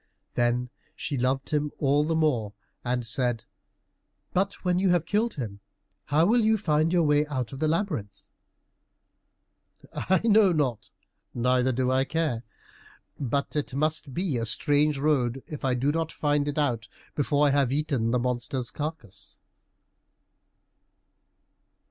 Then she loved him all the more and said, "But when you have killed him, how will you find your way out of the labyrinth?" "I know not, neither do I care, but it must be a strange road if I do not find it out before I have eaten up the monster's carcass."